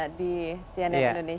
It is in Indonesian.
terima kasih tia nenek indonesia